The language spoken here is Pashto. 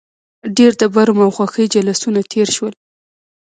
ډېر د برم او خوښۍ جلوسونه تېر شول.